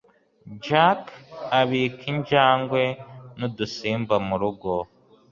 Jack abika injangwe nudusimba murugo.